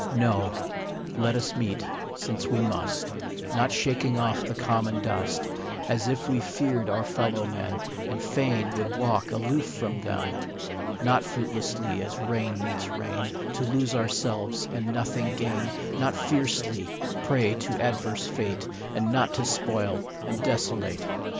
No ; let us meet, since meet we must, Not shaking off the common dust, As if we feared our fellow men, And fain would walk aloof from them ; Not fruitlessly, as rain meets rain, To lose ourselves and nothing gain ; Not fiercely, prey to adverse fate, And not to spoil and desolate.